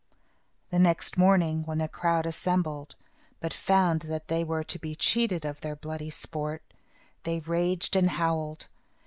The next morning, when the crowd assembled, but found that they were to be cheated of their bloody sport, they raged and howled.